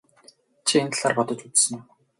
Чи энэ талаар бодож үзсэн үү?